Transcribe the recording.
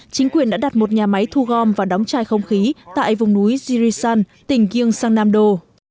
chính quyền đã đặt một nhà máy thu gom và đóng chai không khí tại vùng núi jirisan tỉnh gyeongsangnam do